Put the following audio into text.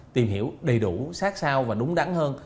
tìm hiểu đầy đủ sát sao và đúng đắn hơn